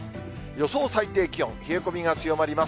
予想最低気温、冷え込みが強まります。